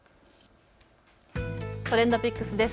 ＴｒｅｎｄＰｉｃｋｓです。